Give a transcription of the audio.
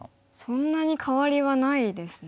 そんなに変わりはないですね。